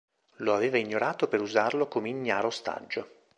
Lo aveva ignorato per usarlo come ignaro ostaggio.